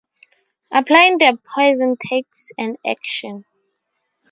Applying the poison takes an action.